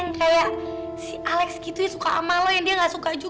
nah kebetulan tamat rewet dari sini